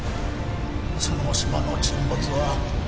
その島の沈没は